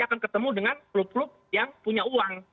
akan ketemu dengan klub klub yang punya uang